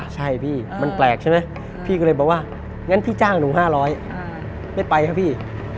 ใช่พี่มันแปลกใช่ไหมพี่ก็เลยบอกว่างั้นพี่จ้างหนู๕๐๐ไม่ไปครับพี่